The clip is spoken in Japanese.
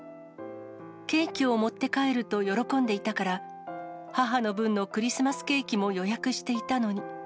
ケーキを持って帰ると喜んでいたから、母の分のクリスマスケーキも予約していたのに。